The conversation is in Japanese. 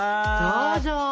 どうぞ。